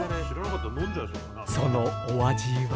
そのお味は？